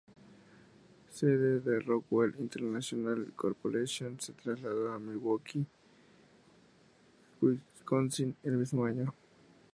Sede de Rockwell International Corporation se trasladó a Milwaukee, Wisconsin el mismo año.